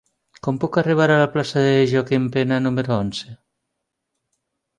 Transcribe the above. Com puc arribar a la plaça de Joaquim Pena número onze?